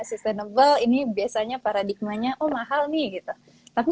sustainable ini biasanya paradigmannya oh mahal nih gitu